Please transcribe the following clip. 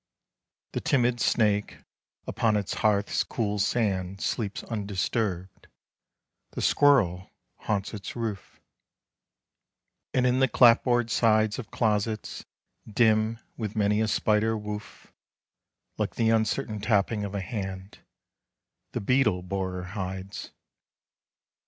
The timid snake upon its hearth's cool sand Sleeps undisturbed; the squirrel haunts its roof; And in the clapboard sides Of closets, dim with many a spider woof, Like the uncertain tapping of a hand, The beetle borer hides.